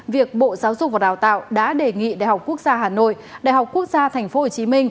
việc bộ giáo dục và đào tạo đã đề nghị đại học quốc gia hà nội đại học quốc gia tp hcm